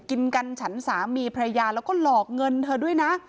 กินกันฉันสามีภรรยาแล้วก็หลอกเงินเธอด้วยนะ